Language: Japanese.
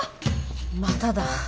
まただ。